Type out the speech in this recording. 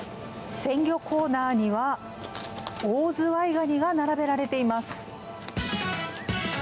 鮮魚コーナーにはオオズワイガニが並べられています。